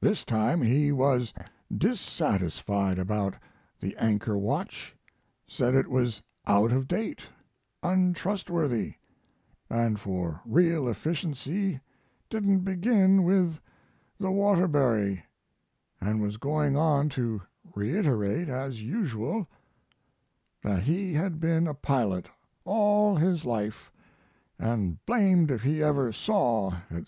This time he was dissatisfied about the anchor watch; said it was out of date, untrustworthy, & for real efficiency didn't begin with the Waterbury, & was going on to reiterate, as usual, that he had been a pilot all his life & blamed if he ever saw, etc.